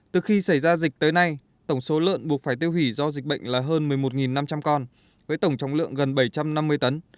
từ khi xảy ra dịch tới nay tổng số lợn buộc phải tiêu hủy do dịch bệnh là hơn một mươi một năm trăm linh con với tổng trọng lượng gần bảy trăm năm mươi tấn